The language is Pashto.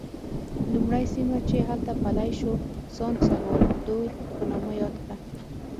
لومړی سیمه چې هلته پلی شو سان سولوا دور په نامه یاد کړه.